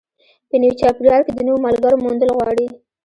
په نوي چاپېریال کې د نویو ملګرو موندل غواړي.